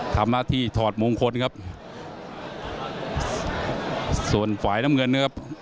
ทำหน้าที่ถอดมงคลครับส่วนฝ่ายน้ำเงินนะครับ